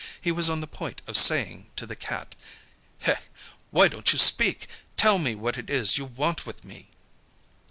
He was on the point of saying to the cat: "Heh! Why don't you speak? Tell me what it is you want with me."